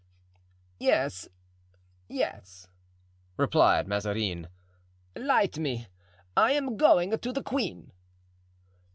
"Yes, yes," replied Mazarin. "Light me; I am going to the queen."